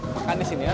makan di sini ya